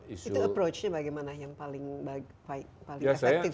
itu approach nya bagaimana yang paling efektif